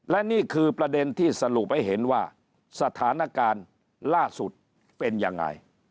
และนี่คือประเด็นที่สรุปให้เห็นว่าสถานการณ์ล่าสุดเป็นยังไง